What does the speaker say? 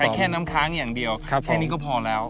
แต่แค่น้ำค้างอย่างเดียวแค่นี้ก็พอแล้ว